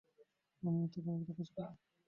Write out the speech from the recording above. আমি তখন একটা কাজ করলাম।